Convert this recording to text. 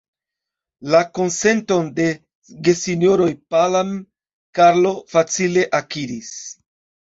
La konsenton de gesinjoroj Palam, Karlo facile akiris.